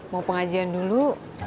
mau pengajian dulu